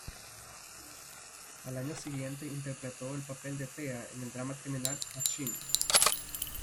Al año siguiente interpretó el papel de Thea en el drama criminal "Machine".